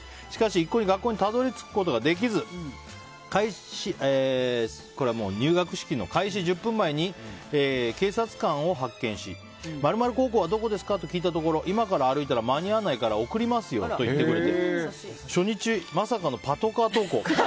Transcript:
一向に学校にたどり着くことができず入学式の開始１０分前に警察官を発見し○○高校はどこですか？と聞いたところ今から歩いたら間に合わないから送りますよと言ってくれて初日、まさかのパトカー登校。